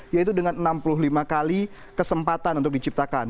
yaitu dengan enam puluh lima kali kesempatan untuk diciptakan